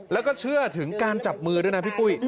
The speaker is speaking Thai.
แล้วก็เชื่อถึงการจับมือด้วยนะพี่ปุ้ย